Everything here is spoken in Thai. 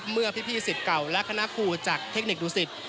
เมื่อพี่สิทธิ์เก่าและคณะครูจากเทคนิคดูสิต